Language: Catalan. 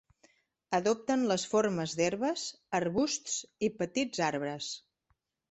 Adopten les formes d'herbes, arbusts i petits arbres.